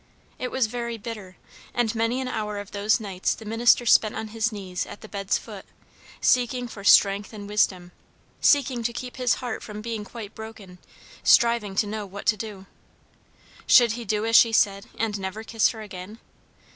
It was very bitter; and many an hour of those nights the minister spent on his knees at the bed's foot, seeking for strength and wisdom, seeking to keep his heart from being quite broken, striving to know what to do. Should he do as she said, and never kiss her again?